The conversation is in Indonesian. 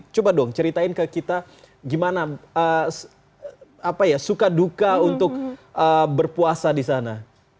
coba dong ceritain ke kita gimana suka duka untuk berpuasa di sana